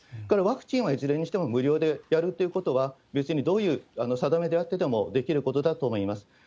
それからワクチンはいずれ無料でやるということは、別にどういう定めであってでもできることだと思います。